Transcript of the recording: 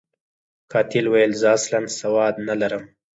قاتل ویل، زه اصلاً سواد نلرم.